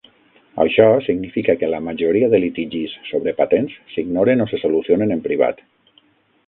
Això significa que la majoria de litigis sobre patents s'ignoren o se solucionen en privat.